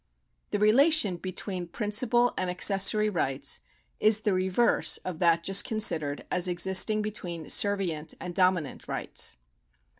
The relation between principal and accessory rights is the reverse of that just considered as existing between servient and dominant rights.